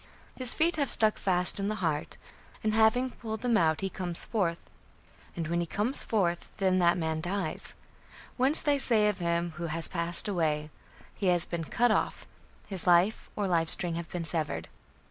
His feet have stuck fast in the heart, and having pulled them out he comes forth; and when he comes forth then that man dies; whence they say of him who has passed away, 'he has been cut off (his life or life string has been severed)'."